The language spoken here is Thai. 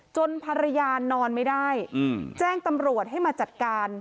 ภรรยานอนไม่ได้แจ้งตำรวจให้มาจัดการ